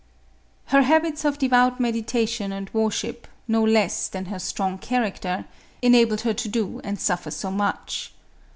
Her habits of devout meditation and worship, no less than her strong character, enabled her to do and suffer so much.